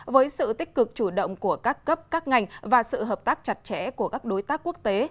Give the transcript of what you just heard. với sự tích cực chủ động của các cấp các ngành và sự hợp tác chặt chẽ của các đối tác quốc tế